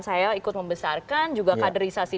saya ikut membesarkan juga kaderisasi